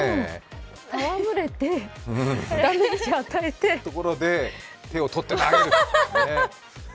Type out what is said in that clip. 戯れてダメージ与えてそこのところで手をとって投げる！